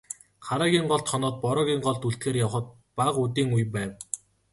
Хараагийн голд хоноод, Бороогийн голд үлдэхээр явахад бага үдийн үе байв.